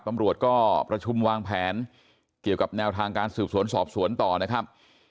ตำรวจก็ประชุมวางแผนเกี่ยวกับแนวทางการสืบสวนสอบสวนต่อนะครับ